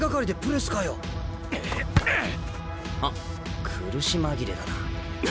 あっ苦し紛れだな。